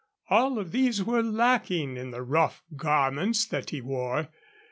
All of these were lacking in the rough garments that he wore.